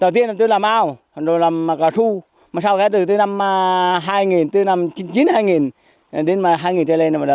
từ năm hai nghìn từ năm chín hai nghìn đến năm hai nghìn trở lên